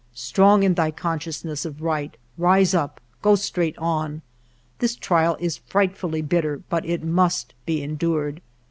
Strong in thy consciousness of right, rise up, go straight on ! This trial is frightfully bitter, but it must be endured !